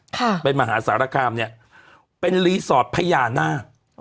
ค่ะเป็นมหาสารคามเนี้ยเป็นรีสอร์ทพญานาค